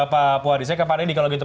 pak puwadi saya ke pak deddy kalau gitu